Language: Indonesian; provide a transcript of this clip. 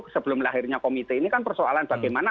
sebelum lahirnya komite ini kan persoalan bagaimana